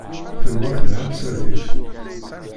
Tenwa telha tsertit.